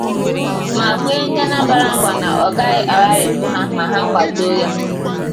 ma kwe Ndị Anambra nkwà na ọ gaghị agharịpụ ha ma ha kwàdo ya.